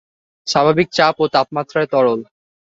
স্বাভাবিক চাপ ও তাপমাত্রায় তরল।